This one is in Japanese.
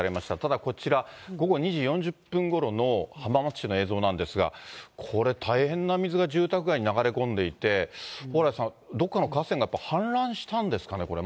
だだこちら、午後２時４０分ごろの浜松市の映像なんですが、これ、大変な水が住宅街に流れ込んでいて、蓬莱さん、どっかの河川がやっぱ氾濫したんですかね、これ。